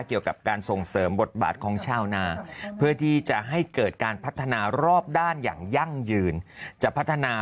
เกี่ยวกับการส่งเสริมบทบาทของชาวนา